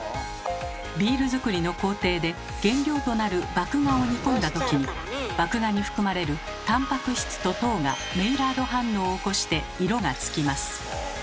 ビール造りの工程で原料となる麦芽を煮込んだ時に麦芽に含まれるタンパク質と糖がメイラード反応を起こして色がつきます。